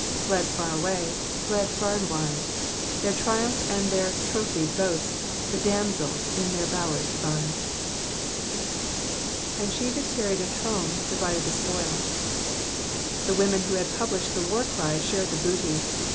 Fled fur away, fled far and wide. Their triumph and tlieir Iropliicd bonsts The damsels in their bowers divide." ^''And she that tarried at home divided the spoil.'''' The women who had pub lished the war cry shared the booty.